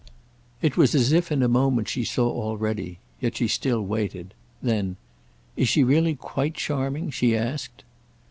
It was as if in a moment she saw already; yet she still waited. Then "Is she really quite charming?" she asked.